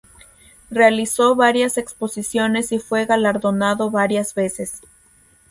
Realizó varias exposiciones y fue galardonado varias veces.